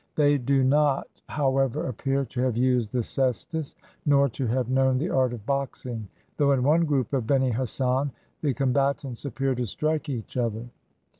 They do not, however, appear to have used the cestus, nor to have known the art of boxing; though in one group of Beni Hassan, the combatants appear to strike each other.